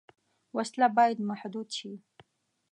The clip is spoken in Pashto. وسله باید محدود شي